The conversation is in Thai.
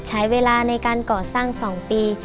ใช้เวลาในการก่อสร้าง๒ปี